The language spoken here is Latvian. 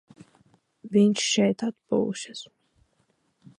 Viņš šeit atpūšas.